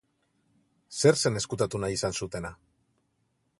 Zer zen ezkutatu nahi izan zutena?